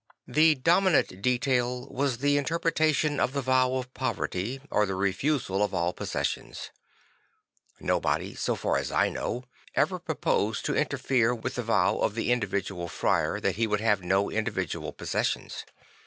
The dominant detail was the interpretation of the vow of poverty, or the refusal of all possessions. Nobody so far as I know ever proposed to interfere with the vow 172 '[he '[estament of St. Francis 173 of the individual friar that he would have no individual possessions.